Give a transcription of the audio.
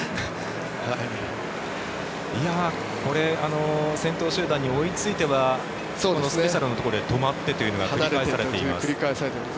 これ、先頭集団に追いついはスペシャルのところで止まってというのが繰り返されています。